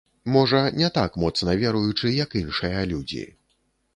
Можа, не так моцна веруючы, як іншыя людзі.